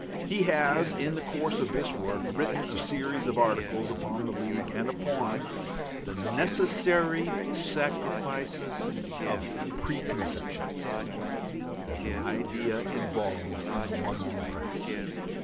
He has, in the course of this work, written a series of articles upon the League and upon the necessary sacrifices of preconceptions that the idea involves in the London press.